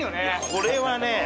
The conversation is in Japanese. これはね